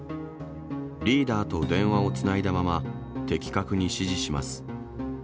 リーダーと電話をつないだまま、的確に指示します。